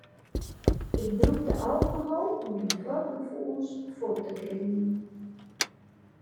Ik brûkte alkohol om dy rotgefoelens fuort te kringen.